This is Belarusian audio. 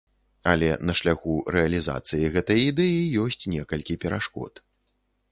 Але на шляху рэалізацыі гэтай ідэі ёсць некалькі перашкод.